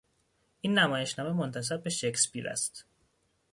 این نمایشنامه منتسب به شکسپیر است.